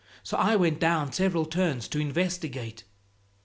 So I went down several turns to investigate.